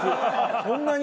そんなに？